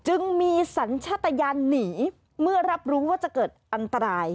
จึงมีสัญชาติยานหนีเมื่อรับรู้ว่าจะเกิดอันตราย